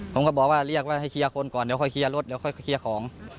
ผมก็บอกว่าเรียกว่าให้เคลียร์คนก่อนเดี๋ยวค่อยเคลียร์รถเดี๋ยวค่อยเคลียร์ของ